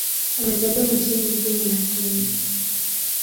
Amezaliwa nchini Ufini lakini.